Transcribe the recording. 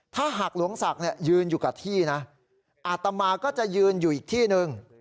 ถ้าหากหลวงศักดิ์ยืนอยู่กับที่นะอาตมาก็จะยืนอยู่อีกที่หนึ่ง